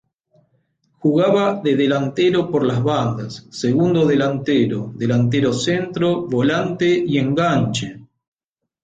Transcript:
Jugaba de delantero por las bandas, segundo delantero, delantero centro, volante y enganche.